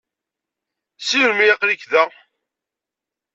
Seg melmi ay aql-ik da?